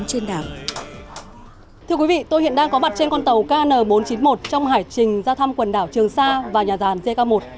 hội thi cử tướng và cuộc thi cắm hoa trên tàu trong hải trình ra thăm quần đảo trường sa và nhà sàn jk một